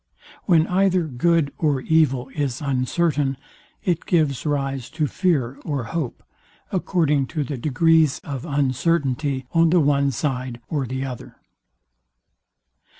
When either good or evil is uncertain, it gives rise to FEAR or HOPE, according to the degrees of uncertainty on the one side or the other.